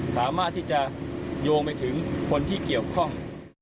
สามารถที่จะโยงไปถึงคนที่เกี่ยวข้อง